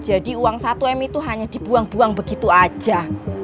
jadi uang satu m itu hanya dibuang buang begitu aja